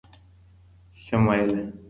شمایله